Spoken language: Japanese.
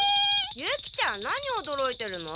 ユキちゃん何おどろいてるの？